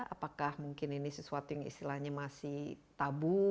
apakah mungkin ini sesuatu yang istilahnya masih tabu